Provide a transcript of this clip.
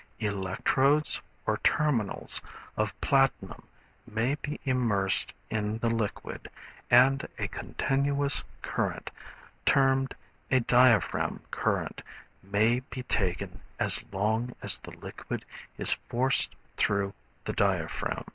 Electrodes or terminals of platinum may be immersed in the liquid, and a continuous current, termed a diaphragm current, may be taken as long as the liquid is forced through the diaphragm.